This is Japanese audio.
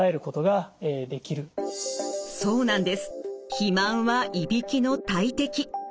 肥満はいびきの大敵！